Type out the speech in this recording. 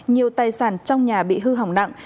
nhiều tài sản trong nhà bị hư hỏng nặng